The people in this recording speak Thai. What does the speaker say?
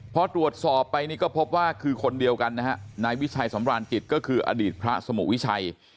พอตรวจสอบไปนี่ก็พบว่าคือคนเดียวกันนะฮะนายวิชัยสำราญจิตก็คืออดีตพระสมุวิชัย